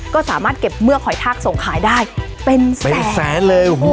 ก็สามารถเก็บเมือกหอยทากส่งขายได้เป็นแสนเป็นแสนเลยโอ้โห